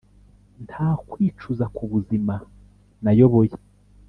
nta kwicuza kubuzima nayoboye.